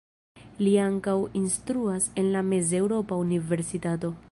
Li ankaŭ instruas en la Mez-Eŭropa Universitato.